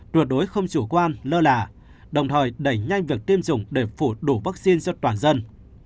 tuyệt đối không chủ quan lơ là đồng thời đẩy nhanh việc tiêm chủng để phủ đủ vaccine cho toàn dân